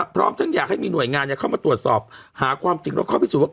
พร้อมทั้งอยากให้มีหน่วยงานเข้ามาตรวจสอบหาความจริงแล้วเข้าพิสูจนว่า